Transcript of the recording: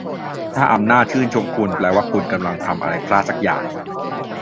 ถ้าอำนาจชื่นชมคุณ แปลว่าคุณกำลังทำอะไรพลาดสักอย่าง